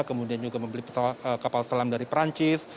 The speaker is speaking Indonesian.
kemudian juga membeli kapal selam dari perancis